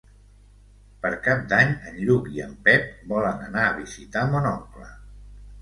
Per Cap d'Any en Lluc i en Pep volen anar a visitar mon oncle.